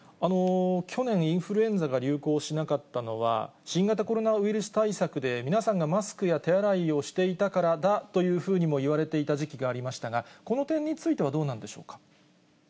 去年、インフルエンザが流行しなかったのは、新型コロナウイルス対策で、皆さんがマスクや手洗いをしていたからだというふうにもいわれていた時期がありましたが、この点についてはどうなんでしょうか。